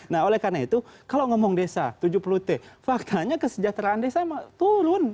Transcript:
nah oleh karena itu kalau ngomong desa tujuh puluh t faktanya kesejahteraan desa turun